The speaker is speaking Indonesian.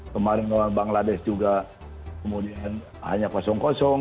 kemarin bangladesh juga kemudian hanya kosong kosong